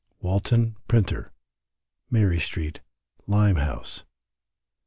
Walton, Printer, Mary Street, Limehouse.